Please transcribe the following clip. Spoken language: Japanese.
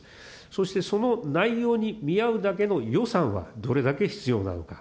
そして、その内容に見合うだけの予算はどれだけ必要なのか。